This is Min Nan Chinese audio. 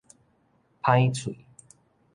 歹喙